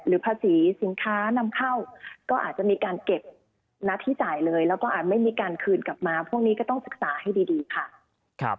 ภาษีสินค้านำเข้าก็อาจจะมีการเก็บหน้าที่จ่ายเลยแล้วก็อาจไม่มีการคืนกลับมาพวกนี้ก็ต้องศึกษาให้ดีค่ะ